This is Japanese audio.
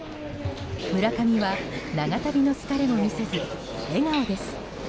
村上は、長旅の疲れも見せず笑顔です。